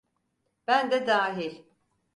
Ben de dahil.